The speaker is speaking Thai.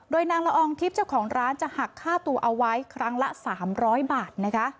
โดยนางละอองทิพย์เจ้าของร้านจะหักค่าตัวเอาไว้ครั้งละ๓๐๐บาทนะคะ